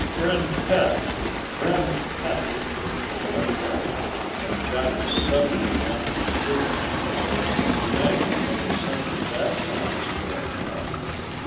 "Friend pet! Friend pet!" Baba clicked and Johnny suddenly wanted to giggle. Imagine having something that size for a pet!